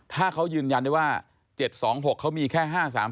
ถ้าเขายืนยันได้ว่า๗๒๖เขามีแค่๕๓๓